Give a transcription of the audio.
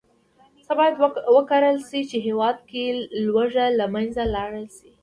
څه باید وکرل شي، چې هېواد کې لوږه له منځه لاړه شي.